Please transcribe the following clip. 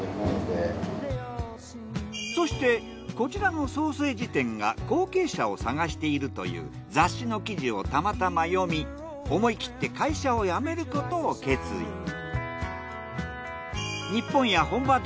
そしてこちらのソーセージ店が後継者を探しているという雑誌の記事をたまたま読み思い切って会社を辞めることを決意。